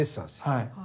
はい。